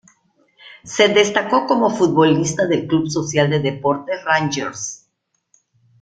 Se destacó como futbolista del Club Social de Deportes Rangers.